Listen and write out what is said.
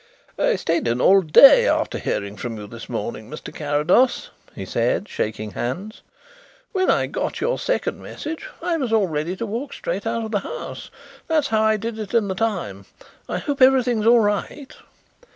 "I stayed in all day after hearing from you this morning, Mr. Carrados," he said, shaking hands. "When I got your second message I was all ready to walk straight out of the house. That's how I did it in the time. I hope everything is all right?"